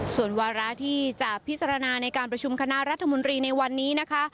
ส่วนวาระที่จะพิจารณาในการประชุมคณะรัฐมนตรีในวันนี้นะคะ